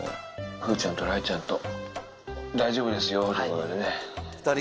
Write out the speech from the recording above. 風ちゃんと雷ちゃんと、大丈夫ですよってことでね。